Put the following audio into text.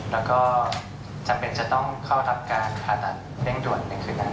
แล้วก็จำเป็นจะต้องเข้ารับการผ่าตัดเร่งด่วนในคืนนั้น